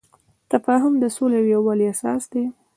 تفاهم د سولې او یووالي اساس دی.